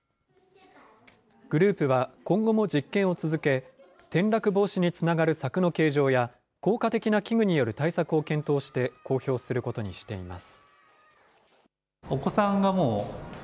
グループは、今後も実験を続け、転落防止につながる柵の形状や、効果的な器具による対策を検討して、公表することにしています。